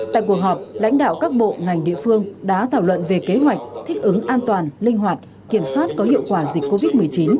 tại cuộc họp lãnh đạo các bộ ngành địa phương đã thảo luận về kế hoạch thích ứng an toàn linh hoạt kiểm soát có hiệu quả dịch covid một mươi chín